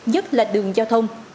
nhất là đường giao thông